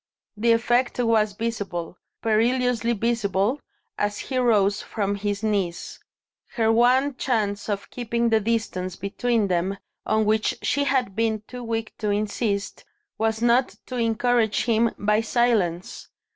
The effect was visible, perilously visible, as he rose from his knees. Her one chance of keeping the distance between them, on which she had been too weak to insist, was not to encourage him by silence.